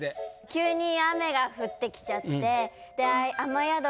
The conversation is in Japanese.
急に雨が降ってきちゃって。